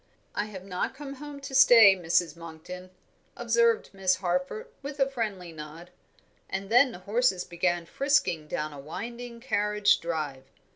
"I have not come home to stay, Mrs. Monkton," observed Miss Harford, with a friendly nod, and then the horses began frisking down a winding carriage drive.